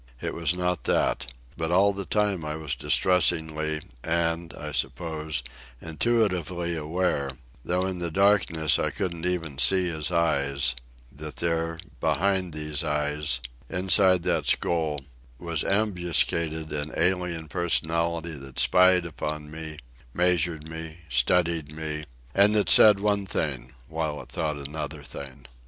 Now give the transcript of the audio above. It was not that. But all the time I was distressingly, and, I suppose, intuitively aware, though in the darkness I couldn't even see his eyes, that there, behind those eyes, inside that skull, was ambuscaded an alien personality that spied upon me, measured me, studied me, and that said one thing while it thought another thing.